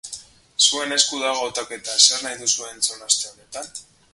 Zuen esku dago hautaketa, zer nahi duzue entzun aste honetan?